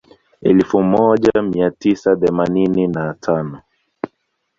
Elfu moja mia tisa themanini na tano